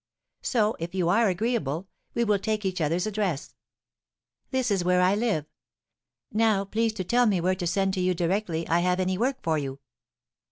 So, if you are agreeable, we will take each other's address. This is where I live; now please to tell me where to send to you directly I have any work for you."